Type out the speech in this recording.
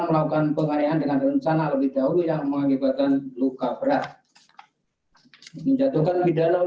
melakukan penganiayaan dengan rencana lebih dahulu yang mengakibatkan luka berat menjatuhkan pidana